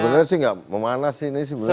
sebenarnya sih nggak memanas ini sebenarnya